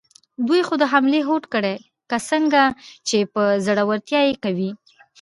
دوی خو د حملې هوډ کړی، که څنګه، چې په زړورتیا یې کوي؟